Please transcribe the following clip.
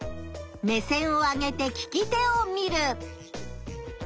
目線を上げて聞き手を見る。